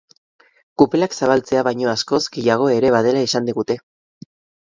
Kupelak zabaltzea baino askoz gehiago ere badela esan digute.